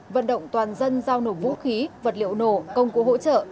vận động toàn dân giao nổ vũ khí vật liệu nổ công cụ hỗ trợ